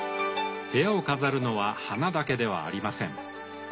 部屋を飾るのは花だけではありません。